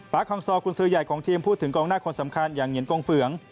คองซอกุญสือใหญ่ของทีมพูดถึงกองหน้าคนสำคัญอย่างเหงียนกองเฟือง